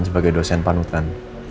sebagai dosen panutan